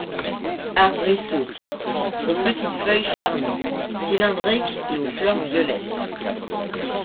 Arbrisseau, aux petites feuilles charnues, cylindriques et aux fleurs violettes.